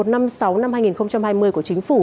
một trăm năm mươi sáu năm hai nghìn hai mươi của chính phủ